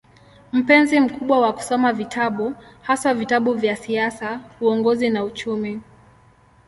Mpenzi mkubwa wa kusoma vitabu, haswa vitabu vya siasa, uongozi na uchumi.